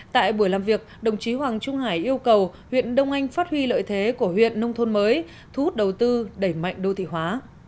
tại buổi làm việc đồng chí hoàng trung hải yêu cầu huyện đông anh phát huy lợi thế của huyện nông thôn mới thu hút đầu tư đẩy mạnh đô thị hóa